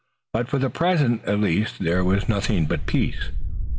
But, for the present, at least, there was nothing but peace.